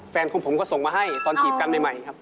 แฟนของผมก็ส่งมาให้ตอนจีบกันใหม่ครับ